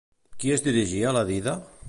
Qui es dirigia a la dida?